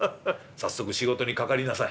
「早速仕事にかかりなさい」。